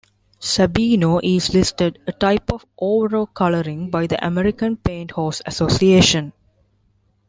"Sabino" is listed a type of overo coloring by the American Paint Horse Association.